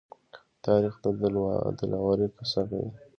تاریخ د دلاورۍ قصه کوي.